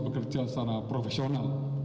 bekerja secara profesional